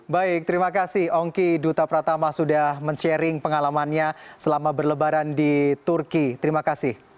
baik terima kasih ongki duta pratama sudah men sharing pengalamannya selama berlebaran di turki terima kasih